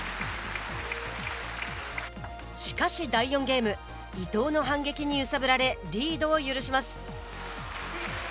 しかし、第４ゲーム伊藤の反撃に揺さぶられリードを許します。